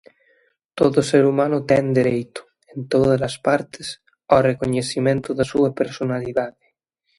Todo ser humano ten dereito, en tódalas partes, ó reconecemento da súa persoalidade.